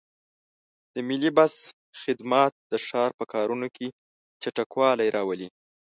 د ملي بس خدمات د ښار په کارونو کې چټکوالی راولي.